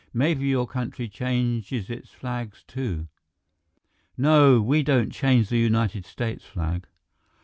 Maybe your country changes its flag, too." "No, we don't change the United States flag."